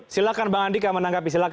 silahkan bang andika menanggapi